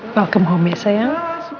welcome home ya sayang